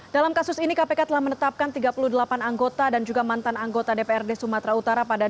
dalam kasus ini kpk telah menetapkan tiga puluh delapan anggota dan juga mantan anggota dprd sumatera utara pada dua puluh delapan maret dua ribu delapan belas